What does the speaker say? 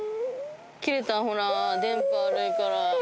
切れたほら電波悪いから。